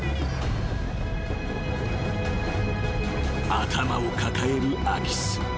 ［頭を抱える空き巣］